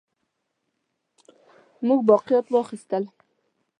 هغه باقیات واخیستل.